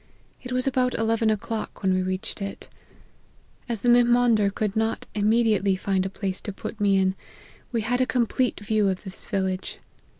It was about eleven o'clock when we reached it. As the Mihmander could not im mediately find a place to put me in, we had a com plete view of this village.